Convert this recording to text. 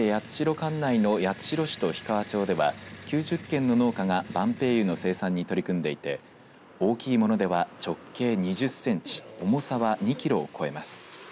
管内の八代市と氷川町では９０軒の農家が晩白柚の生産に取り組んでいて大きいものでは直径２０センチ重さは２キロを超えます。